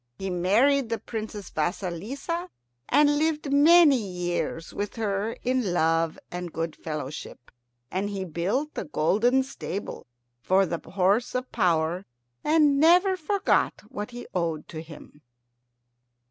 He married the Princess Vasilissa, and lived many years with her in love and good fellowship. And he built a golden stable for the horse of power, and never forgot what he owed to him.